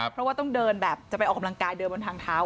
เพราะว่าต้องเดินแบบจะไปออกกำลังกายเดินบนทางเท้า